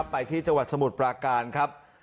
ไปที่จังหวัดสมุทรปราการครับ